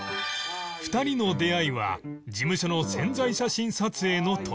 ２人の出会いは事務所の宣材写真撮影の時